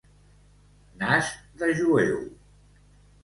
Nas de jueu.